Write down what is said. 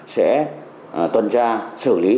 sẽ tuần tra xử lý